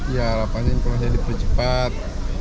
ya harapannya informasinya dipercepat